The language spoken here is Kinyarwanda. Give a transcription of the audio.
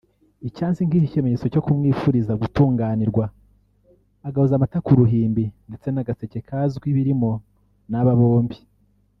icyansi nk’ikimenyetso cyo kumwifuriza gutunganirwa agahoza amata ku ruhimbi ndetse n’agaseke kazwi ibirimo n’aba bombi